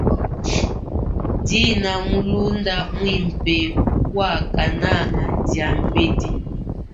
Ndine mulunda mwimpe wakananga dia mbedi.